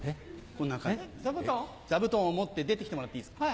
座布団を持って出てきてもらっていいですか。